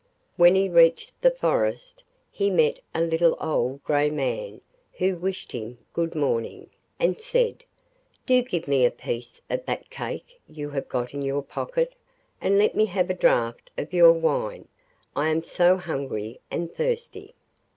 When he reached the forest he met a little old grey man who wished him 'Good morning,' and said: 'Do give me a piece of that cake you have got in your pocket, and let me have a draught of your wine—I am so hungry and thirsty.